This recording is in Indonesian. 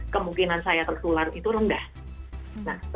kemungkinan saya tertular itu rendah